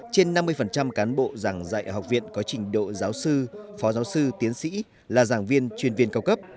trên năm mươi cán bộ giảng dạy ở học viện có trình độ giáo sư phó giáo sư tiến sĩ là giảng viên chuyên viên cao cấp